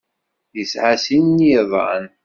Yesɛa sin n yiḍan.